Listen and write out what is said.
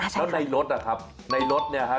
แล้วในรถนะครับในรถเนี่ยฮะ